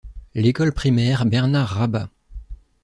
L'école primaire Bernard-Rabas.